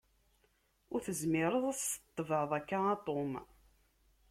Ur tezmireḍ ad tt-tetebεeḍ akka a Tom.